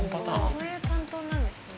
そういう担当なんですね。